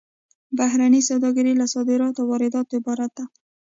بهرنۍ سوداګري له صادراتو او وارداتو عبارت ده